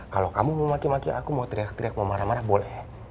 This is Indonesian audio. kalau kamu mau maki maki aku mau teriak teriak mau marah marah boleh